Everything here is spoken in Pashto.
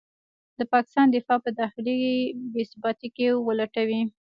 د پاکستان دفاع په داخلي بې ثباتۍ کې ولټوي.